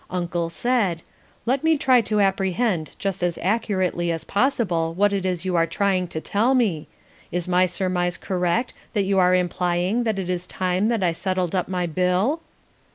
Uncle said, "Let me try to apprehend just as accurately as possible what it is that you are trying to tell me: is my surmise correct that you are implying that it is time that I settled up my bill?"